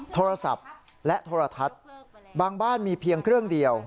โทรศัพท์และโทรทัศน์บางบ้านมีเพียงเครื่องเดียว